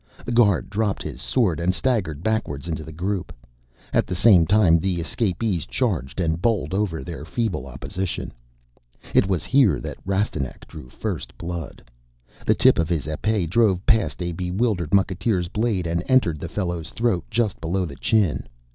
The guard dropped his sword and staggered backwards into the group. At the same time the escapees charged and bowled over their feeble opposition. It was here that Rastignac drew first blood. The tip of his épée drove past a bewildered mucketeer's blade and entered the fellow's throat just below the chin.